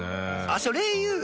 あっそれ言う！？